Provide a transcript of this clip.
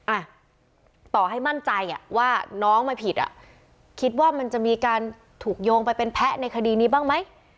อ่ะต่อให้มั่นใจอ่ะว่าน้องไม่ผิดอ่ะคิดว่ามันจะมีการถูกโยงไปเป็นแพะในคดีนี้บ้างไหม